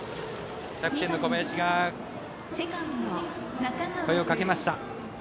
キャプテンの小林が声をかけました。